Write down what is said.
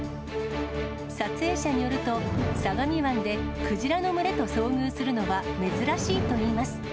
撮影者によると、相模湾でクジラの群れと遭遇するのは珍しいといいます。